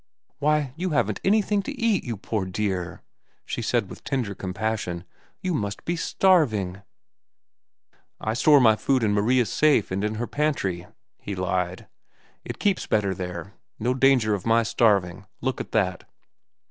"Why, you haven't anything to eat, you poor dear," she said with tender compassion. "You must be starving." "I store my food in Maria's safe and in her pantry," he lied. "It keeps better there. No danger of my starving. Look at that."